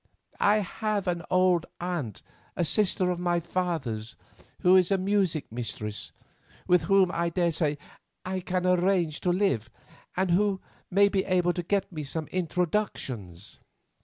I have an old aunt, a sister of my father's, who is a music mistress, with whom I daresay I can arrange to live, and who may be able to get me some introductions."